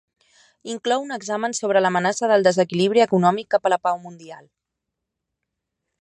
Inclou un examen sobre l'amenaça del desequilibri econòmic cap a la pau mundial.